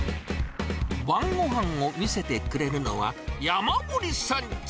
晩ごはんを見せてくれるのは、山森さんち。